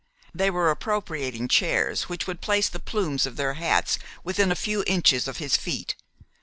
They were appropriating chairs which would place the plumes of their hats within a few inches of his feet.